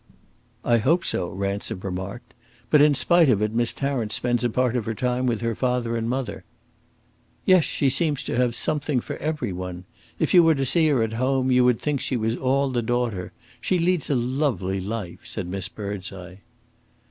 "I hope so," Ransom remarked. "But in spite of it Miss Tarrant spends a part of her time with her father and mother." "Yes, she seems to have something for every one. If you were to see her at home, you would think she was all the daughter. She leads a lovely life!" said Miss Birdseye.